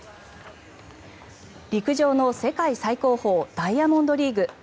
陸上の世界最高峰ダイヤモンドリーグ。